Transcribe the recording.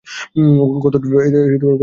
কতদূর যেতে পেরেছিলেন?